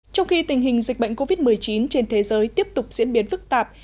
trong khi tình hình dịch bệnh covid một mươi chín trên thế giới tiếp tục diễn biến phức tạp